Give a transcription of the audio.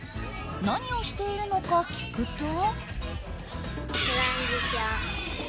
何をしているのか聞くと。